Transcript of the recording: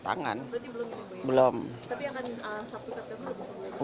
tapi yang kan sabtu september bisa boleh ya